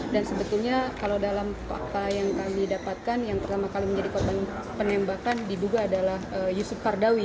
dan sebetulnya kalau dalam fakta yang kami dapatkan yang pertama kali menjadi korban penembakan diduga adalah yusuf kardawi